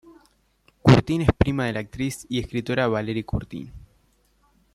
Curtin es prima de la actriz y escritora Valerie Curtin.